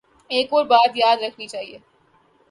ایک اور بات یاد رکھنی چاہیے۔